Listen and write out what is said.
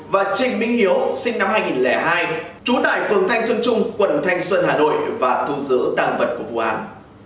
và trinh minh hiếu sinh năm hai nghìn hai chú tài phương thanh xuân trung quận thanh xuân hà nội và thu giữ tàng vật của vụ án